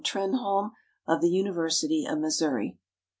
TRENHOLME, OF THE UNIVERSITY OF MISSOURI.